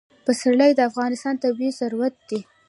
پسرلی د افغانستان طبعي ثروت دی.